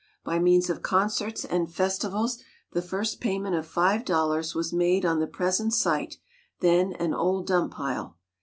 By means of concerts and festivals the first payment of five dollars was made on the present site, then an old dump pile.